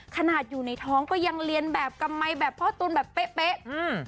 ขนาดอยู่ในท้องก็ยังเรียนแบบกำไมแบบพ่อตุ๋นแบบเป๊ะเป๊ะอืม